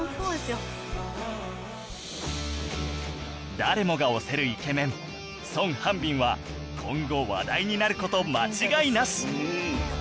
誰もが推せるイケメンソン・ハンビンは今後話題になる事間違いなし！